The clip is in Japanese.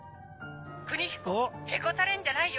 邦彦へこたれんじゃないよ